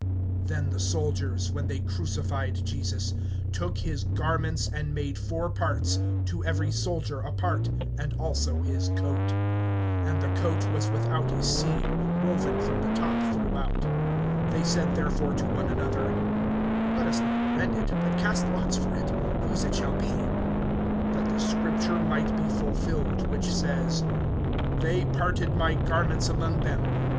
(23)Then the soldiers, when they crucified Jesus, took his garments, and made four parts, to every soldier a part, and also his coat. And the coat was without a seam, woven from the top throughout. (24)They said therefore to one another: Let us not rend it, but cast lots for it, whose it shall be; that the scripture might be fulfilled which says: They parted my garments among them.